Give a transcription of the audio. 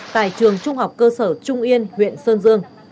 tại trường trung học cơ sở trung yên huyện sơn dương